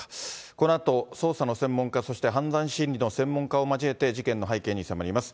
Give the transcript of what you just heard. このあと、捜査の専門家、そして犯罪心理の専門家を交えて、事件の背景に迫ります。